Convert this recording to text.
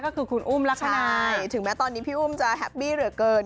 ก็คือคุณอุ้มลักษณะถึงแม้ตอนนี้พี่อุ้มจะแฮปปี้เหลือเกิน